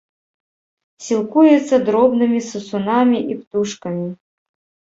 Сілкуецца дробнымі сысунамі і птушкамі.